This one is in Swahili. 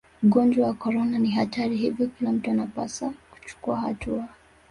ugonjwa wa korona ni hatari hivyo kila mtu anapasa kuchukua hatua